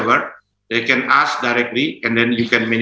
mereka bisa bertanya secara langsung